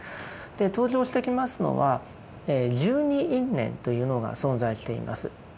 登場してきますのは「十二因縁」というのが存在しています。